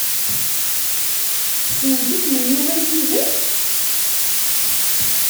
Tessnemt isem n Yuba n tidet?